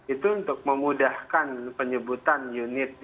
itu untuk memudahkan penyebutan unit